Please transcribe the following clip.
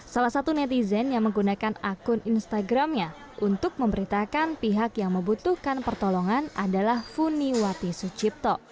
salah satu netizen yang menggunakan akun instagramnya untuk memberitakan pihak yang membutuhkan pertolongan adalah funi wati sucipto